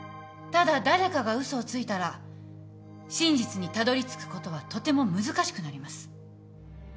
ただ誰かが嘘をついたら真実にたどりつくことはとても難しくなります。